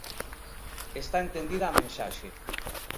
Está entendida a mensaxe.